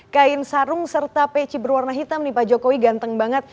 kain sarung serta peci berwarna hitam nih pak jokowi ganteng banget